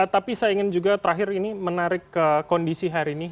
tapi saya ingin juga menarik ke kondisi hari ini